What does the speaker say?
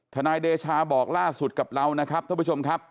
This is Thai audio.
นายเดชาบอกล่าสุดกับเรานะครับท่านผู้ชมครับ